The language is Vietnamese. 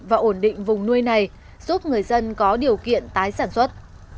và ổn định vùng nuôi này giúp người dân có điều kiện tái sản xuất